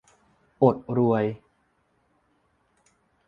อดรวย